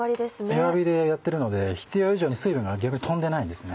弱火でやってるので必要以上に水分が逆に飛んでないんですね。